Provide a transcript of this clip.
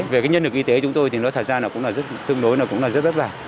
về nhân lực y tế chúng tôi thì nó thật ra cũng là rất thương đối cũng là rất bất vả